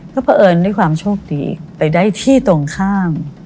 ก็เพราะเอิญด้วยความโชคดีไปได้ที่ตรงข้าม